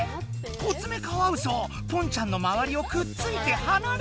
コツメカワウソポンちゃんのまわりをくっついてはなれない！